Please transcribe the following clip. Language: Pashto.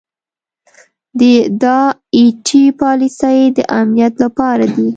دا ائ ټي پالیسۍ د امنیت لپاره دي.